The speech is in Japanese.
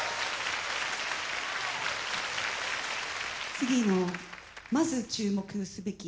次のまず注目すべき。